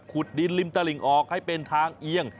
ขุดดินริมตระหลิงออกให้เป็นทางเอียง